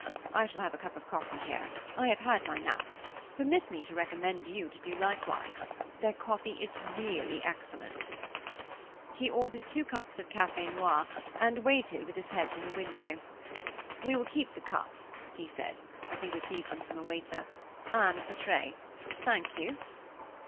I shall have a cup of coffee here; I have had my nap. Permit me to recommend you to do likewise. Their coffee is really excellent." He ordered two cups of café noir, and waited, with his head from the window. "We will keep the cups," he said, as he received them from the waiter, "and the tray. Thank you."